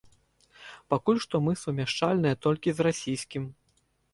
Пакуль што мы сумяшчальныя толькі з расійскім.